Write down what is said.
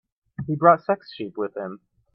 He brought six sheep with him.